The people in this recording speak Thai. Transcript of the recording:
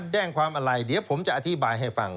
แจ้งความอะไรเดี๋ยวผมจะอธิบายให้ฟัง